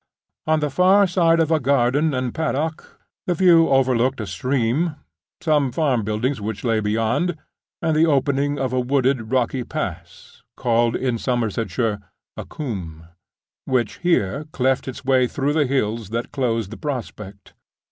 On the far side of a garden and paddock the view overlooked a stream, some farm buildings which lay beyond, and the opening of a wooded, rocky pass (called, in Somersetshire, a Combe), which here cleft its way through the hills that closed the prospect.